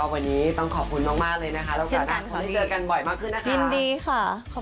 วันนี้ต้องขอบคุณมากเลยนะคะ